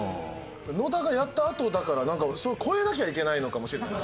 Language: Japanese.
野田がやったあとだからなんかそれを超えなきゃいけないのかもしれない。